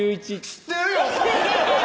知ってるよ